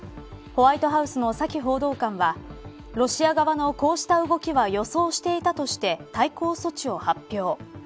ホワイトハウスのサキ報道官はロシア側のこうした動きは予想していたとして対抗措置を発表。